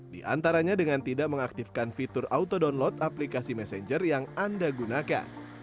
di antaranya dengan tidak mengaktifkan fitur auto download aplikasi messenger yang anda gunakan